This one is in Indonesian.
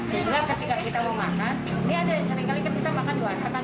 sehingga ketika kita mau makan ini ada yang sering kali kita makan di warteg kan